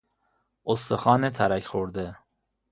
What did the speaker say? استخوان ترک خورده